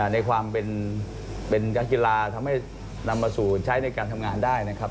ในความเป็นการกีฬาทำให้นำมาสู่ใช้ในการทำงานได้นะครับ